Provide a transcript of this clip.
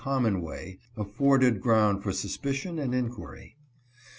common way, — afforded ground for suspicion and inquiry.